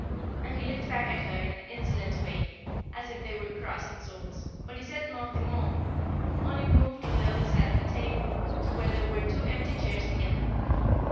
and he looked back at her in an insolent way, as if they were crossing swords, but he said nothing more, only we moved to the other side of the table, to where there were two empty chairs together.